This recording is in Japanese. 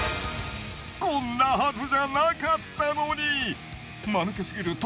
こんなはずじゃなかったのに。